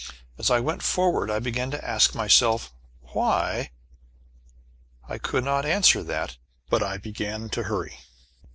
As I went forward, I began to ask myself, "Why?" I could not answer that, but I began to hurry.